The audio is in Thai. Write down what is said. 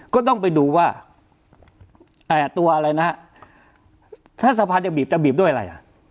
ก็ต้องไปดูว่าตัวอะไรนะถ้าสะพานจะบีบจะบีบด้วยอะไรอ่ะ